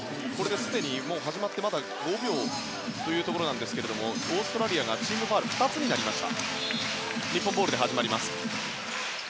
すでに始まってまだ５秒というところですがオーストラリアがチームファウル２つになりました。